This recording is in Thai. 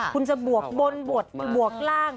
คุณจะบวกบนบวกล่าง